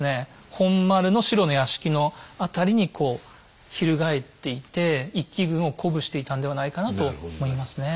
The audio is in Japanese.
本丸の四郎の屋敷の辺りにこう翻っていて一揆軍を鼓舞していたんではないかなと思いますね。